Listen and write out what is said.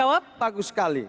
banyak bagus sekali